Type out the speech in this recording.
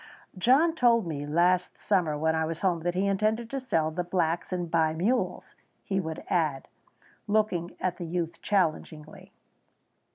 "John told me last summer when I was home that he intended to sell the blacks and buy mules," he would add, looking at the youth challengingly.